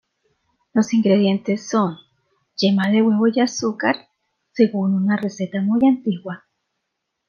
Los ingredientes son yema de huevo y azúcar según una receta muy antigua.